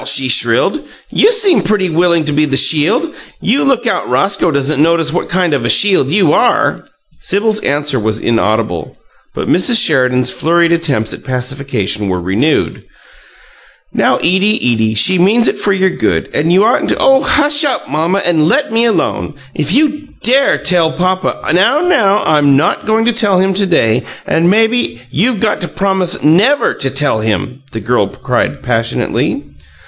she shrilled. "You seem pretty willing to be the shield! You look out Roscoe doesn't notice what kind of a shield you are!" Sibyl's answer was inaudible, but Mrs. Sheridan's flurried attempts at pacification were renewed. "Now, Edie, Edie, she means it for your good, and you'd oughtn't to " "Oh, hush up, mamma, and let me alone! If you dare tell papa " "Now, now! I'm not going to tell him to day, and maybe " "You've got to promise NEVER to tell him!" the girl cried, passionately.